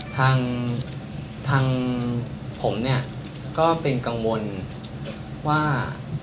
ทางผมก็เป็นกังวลว่า